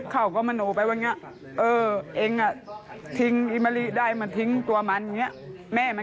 แม่ครับพึ่งทิ้งท่อมมามะลินี่แหละ